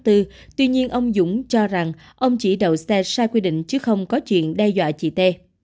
tuy nhiên ông dũng cho rằng ông chỉ đậu xe sai quy định chứ không có chuyện đe dọa chị t